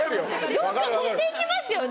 どっか持って行きますよね？